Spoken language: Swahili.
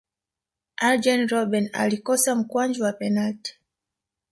arjen robben alikosa mkwaju wa penati